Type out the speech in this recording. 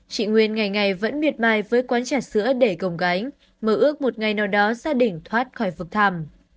chị nguyên ngày ngày vẫn miệt mài với quán trà sữa để gồng gánh mơ ước một ngày nào đó gia đình thoát khỏi vực thàm